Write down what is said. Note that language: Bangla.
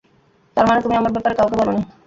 তার মানে তুমি আমার ব্যাপারে কাউকেই বলোনি?